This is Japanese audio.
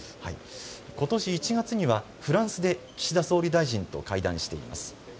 ことし１月にはフランスで岸田総理大臣と会談しています。